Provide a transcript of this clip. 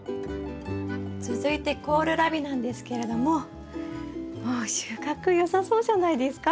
続いてコールラビなんですけれどももう収穫よさそうじゃないですか？